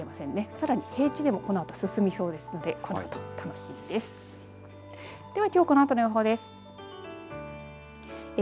さらに平地でもこのあと進みそうですのでこのあとこんにちは。